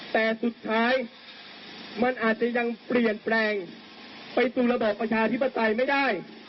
แต่สุดท้ายมันอาจจะยังเปลี่ยนแปลงไปสู่ระบอบประชาธิปไตยไม่ได้